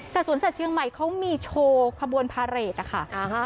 แต่สวนสัตว์เชียงใหม่เขามีโชว์ขบวนพาเรทนะคะ